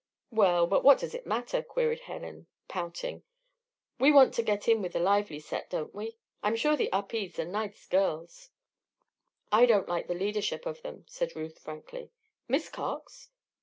"Well but what does it matter?" queried Helen, pouting. "We want to get in with a lively set; don't we? I'm sure the Upedes are nice girls." "I don't like the leadership of them," said Ruth, frankly. "Miss Cox?"